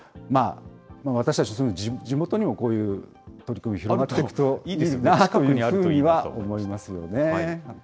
私たち、地元にもこういう取り組み、広がっていくといいなというふうには思いますよね。